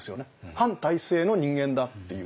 反体制の人間だっていう。